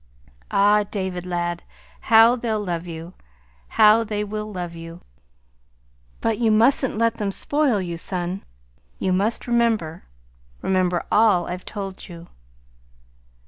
"Ah, David, lad, how they'll love you! How they will love you! But you mustn't let them spoil you, son. You must remember remember all I've told you."